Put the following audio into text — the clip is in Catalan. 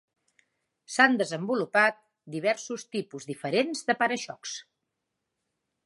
S'han desenvolupat diversos tipus diferents de para-xocs.